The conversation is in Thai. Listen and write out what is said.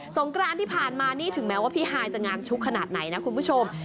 งกรานที่ผ่านมานี่ถึงแม้ว่าพี่ฮายจะงานชุกขนาดไหนนะคุณผู้ชม